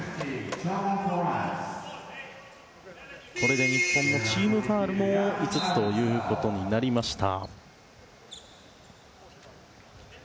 これで日本のチームファウルも５つとなりました。